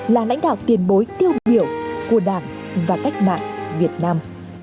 là lãnh đạo tiền bối tiêu biểu của đảng và cách mạng việt nam